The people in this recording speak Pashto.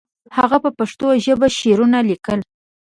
هغه په پښتو ژبه شعرونه لیکل.